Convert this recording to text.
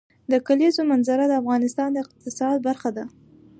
د کلیزو منظره د افغانستان د اقتصاد برخه ده.